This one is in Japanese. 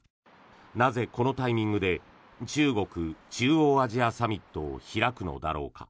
なぜ、このタイミングで中国・中央アジアサミットを開くのだろうか。